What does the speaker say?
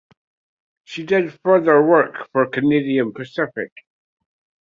She did further work for Canadian Pacific.